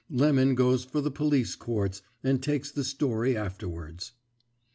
Lemon goes for the police courts, and takes the story afterwards.